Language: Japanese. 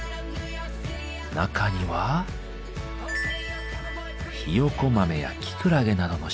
中にはひよこ豆やキクラゲなどの食材が。